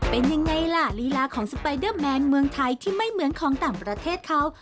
เป็นยังไงล่ะลีลาของสไปเดอร์แมนเมืองไทยที่ไม่เหมือนของต่างประเทศเขา